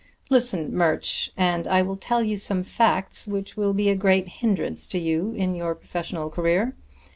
Listen, Murch, and I will tell you some facts which will be a great hindrance to you in your professional career.